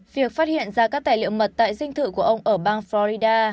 việc phát hiện ra các tài liệu mật tại dinh thự của ông ở bang florida